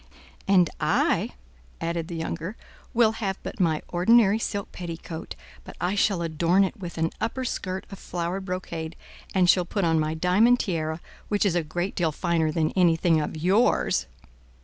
"And I," added the younger, "will have but my ordinary silk petticoat, but I shall adorn it with an upper skirt of flowered brocade, and shall put on my diamond tiara, which is a great deal finer than anything of yours."